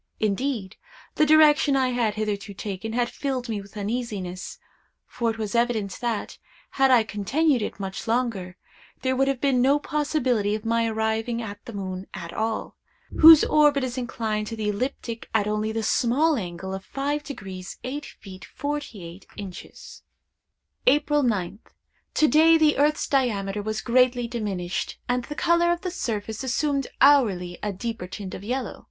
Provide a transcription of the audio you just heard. Indeed, the direction I had hitherto taken, had filled me with uneasiness; for it was evident that, had I continued it much longer, there would have been no possibility of my arriving at the moon at all, whose orbit is inclined to the ecliptic at only the small angle of 5° 8′ 48″. "April 9th. To day the earth's diameter was greatly diminished, and the color of the surface assumed hourly a deeper tint of yellow.